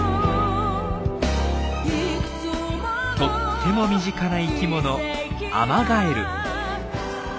とっても身近な生きものアマガエル。